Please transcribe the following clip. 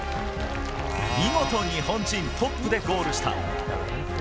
見事、日本人トップでゴールした。